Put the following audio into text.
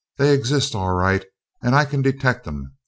"They exist, all right, and I can detect 'em.